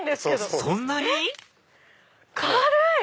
そんなに⁉軽い！